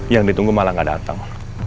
yang ditunggu malah gak datang